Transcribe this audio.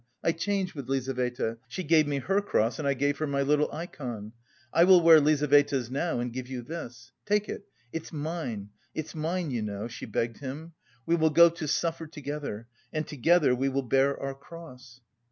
I changed with Lizaveta: she gave me her cross and I gave her my little ikon. I will wear Lizaveta's now and give you this. Take it... it's mine! It's mine, you know," she begged him. "We will go to suffer together, and together we will bear our cross!"